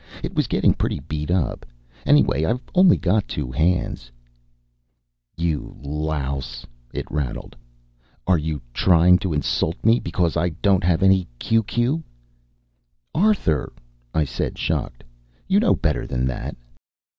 It was getting pretty beat up. Anyway, I've only got two hands " YOU LOUSE, it rattled, ARE YOU TRYONXXX TRYING TO INSULT ME BECAUSE I DONT HAVE ANY Q Q "Arthur!" I said, shocked. "You know better than that!"